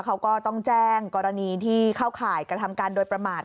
เขาก็ต้องแจ้งกรณีที่เข้าข่ายกระทำการโดยประมาท